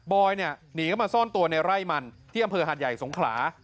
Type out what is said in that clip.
อยเนี่ยหนีเข้ามาซ่อนตัวในไร่มันที่อำเภอหาดใหญ่สงขลา